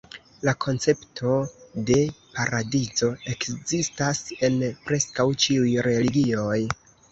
La koncepto de paradizo ekzistas en preskaŭ ĉiuj religioj.